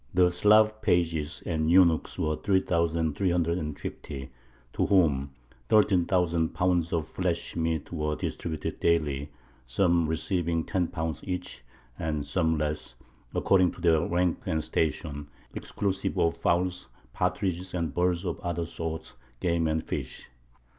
The Slav pages and eunuchs were three thousand three hundred and fifty, to whom thirteen thousand pounds of flesh meat were distributed daily, some receiving ten pounds each, and some less, according to their rank and station, exclusive of fowls, partridges, and birds of other sorts, game and fish.